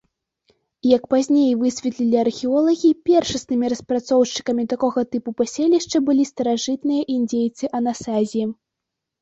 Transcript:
Як пазней высветлілі археолагі, першаснымі распрацоўшчыкамі такога тыпу паселішча былі старажытныя індзейцы-анасазі.